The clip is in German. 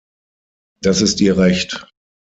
Das ist Ihr Recht.